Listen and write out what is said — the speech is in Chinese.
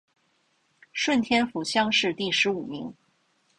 顺天府乡试第十五名。